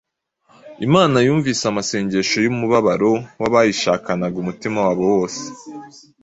Imana yumvise amasengesho y’umubabaro y’abayishakanaga umutima wabo wose